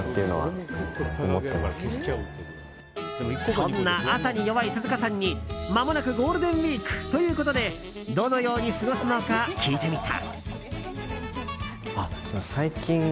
そんな朝に弱い鈴鹿さんにまもなくゴールデンウィークということでどのように過ごすのか聞いてみた。